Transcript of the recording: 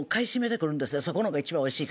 そこのが一番おいしいから。